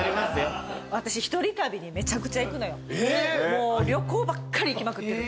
もう旅行ばっかり行きまくってる。